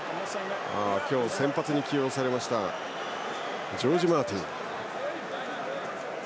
今日、先発に起用されましたジョージ・マーティン。